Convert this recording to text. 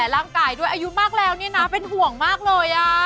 ร่างกายด้วยอายุมากแล้วนี่นะเป็นห่วงมากเลย